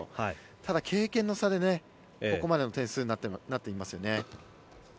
ただ、経験の差でここまでの点数になっていますね。